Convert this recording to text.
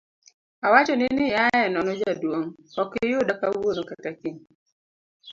awachoni ni iaye nono jaduong',okiyuda kawuono kata kiny